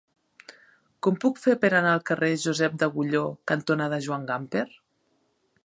Com ho puc fer per anar al carrer Josep d'Agulló cantonada Joan Gamper?